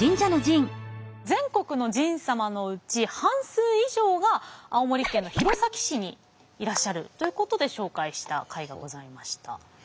全国の神サマのうち半数以上が青森県の弘前市にいらっしゃるということで紹介した回がございました。